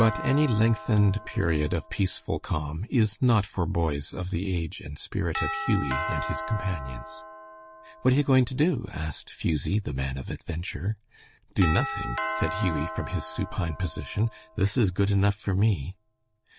But any lengthened period of peaceful calm is not for boys of the age and spirit of Hughie and his companions. "What are you going to do?" asked Fusie, the man of adventure. "Do nothing," said Hughie from his supine position. "This is good enough for me."